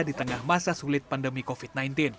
di tengah masa sulit pandemi covid sembilan belas